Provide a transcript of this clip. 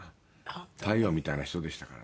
太陽みたいな人でしたからね。